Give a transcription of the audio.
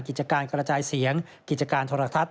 กิจการกระจายเสียงกิจการโทรทัศน